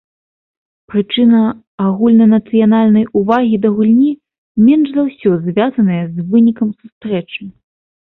Прычына агульнанацыянальнай увагі да гульні менш за ўсё звязаная з вынікам сустрэчы.